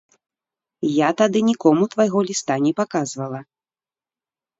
Я тады нікому твайго ліста не паказвала.